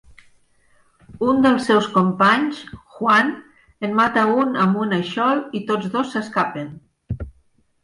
Un dels seus companys, Juan, en mata un amb un aixol i tots dos s'escapen.